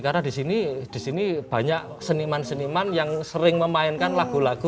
karena di sini banyak seniman seniman yang sering memainkan lagu lagu